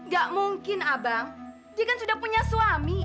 gak mungkin abang dia kan sudah punya suami